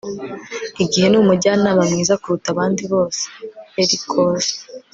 igihe ni umujyanama mwiza kuruta abandi bose. - pericles